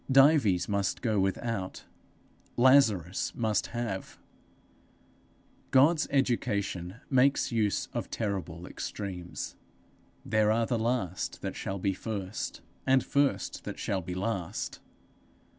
Dives must go without; Lazarus must have. God's education makes use of terrible extremes. There are last that shall be first, and first that shall be last.